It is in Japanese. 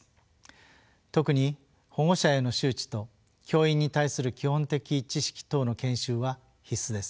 特に保護者への周知と教員に対する基本的知識等の研修は必須です。